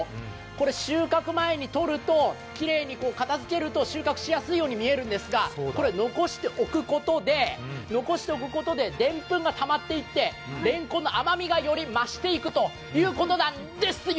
これ、収穫前に片づけると、きれいに収穫しやすいように見えるんですが、これ、残しておくことででんぷんがたまっていってれんこんの甘みがより増していくということなんですよ